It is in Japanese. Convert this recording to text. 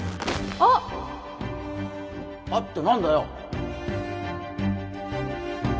「あっ！」って何だよ？